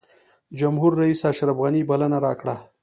جمهورریس اشرف غني بلنه راکړه.